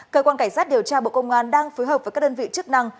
cơ quan cảnh sát điều tra bộ công an đang phối hợp với các đơn vị chức năng